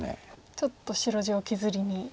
ちょっと白地を削りに。